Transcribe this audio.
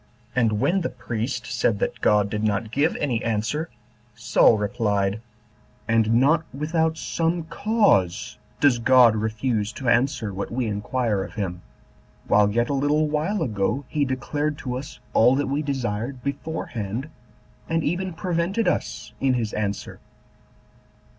And when the priest said that God did not give any answer, Saul replied, "And not without some cause does God refuse to answer what we inquire of him, while yet a little while ago he declared to us all that we desired beforehand, and even prevented us in his answer.